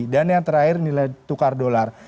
dan yang terakhir nilai tukar dolar